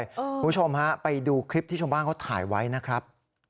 คุณผู้ชมฮะไปดูคลิปที่ชาวบ้านเขาถ่ายไว้นะครับ